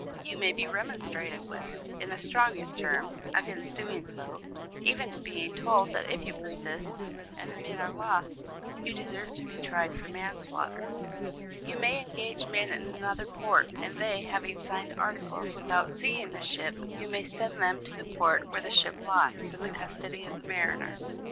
You may be remonstrated with, in the strongest terms, against doing so, even to being told that if you persist, and the men are lost, you deserve to be tried for manslaughter. "You may engage men in another port, and they, having signed articles without seeing the ship, you may send them to the port where the ship lies in the custody of a mariner.